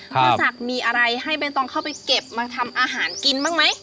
พ่อศักดิ์มีอะไรให้ใบตองเข้าไปเก็บมาทำอาหารกินบ้างไหม